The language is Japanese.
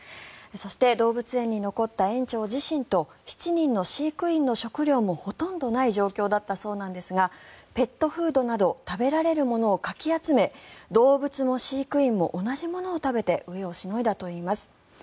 そして動物園に残った園長自身と７人の飼育員の食料もほとんどない状況だったそうなんですがペットフードなど食べられるものをかき集め動物も飼育員も同じものを食べて飢えをしのいだといいます。